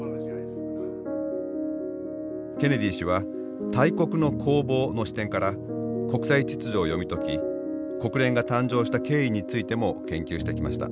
ケネディ氏は「大国の興亡」の視点から国際秩序を読み解き国連が誕生した経緯についても研究してきました。